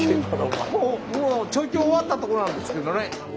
もう調教終わったとこなんですけどね。